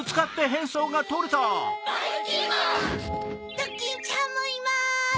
ドキンちゃんもいます！